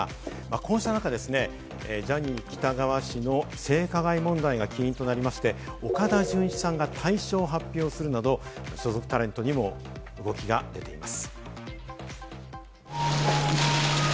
こうした中、ジャニー喜多川氏の性加害問題が起因となりまして、岡田准一さんが退所を発表するなど所属タレントにも動きが出ています。